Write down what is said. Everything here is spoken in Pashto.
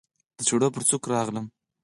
د چړو پر څوکو راغلم